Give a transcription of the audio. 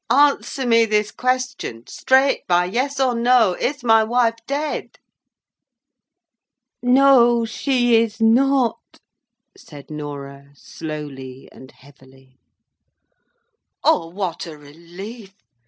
answer me this question, straight, by yes or no—Is my wife dead?" "No, she is not!" said Norah, slowly and heavily. "O what a relief!